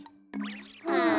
はあ。